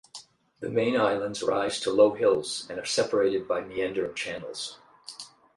The main islands rise to low hills, and are separated by meandering channels.